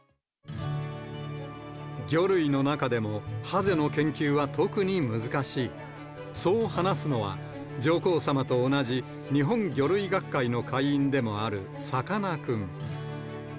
魚類の中でも、ハゼの研究は特に難しい、そう話すのは、上皇さまと同じ日本魚類学会の会員でもあるさかなクン。